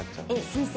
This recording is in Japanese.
先生